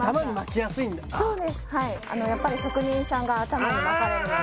やっぱり職人さんが頭に巻かれるのでああ